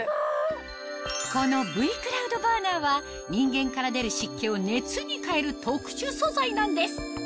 このＶ−ｃｌｏｕｄｂｕｒｎｅｒは人間から出る湿気を熱に変える特殊素材なんです